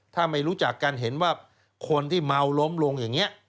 ถ้าไม่รู้จักกันเห็นว่าคนที่เมาล้มลงอย่างนี้